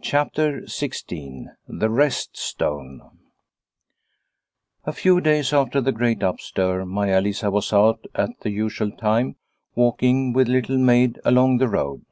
CHAPTER XVI THE REST STONE A FEW days after the great upstir, Maia Lisa was out at the usual time walking with Little Maid along the road.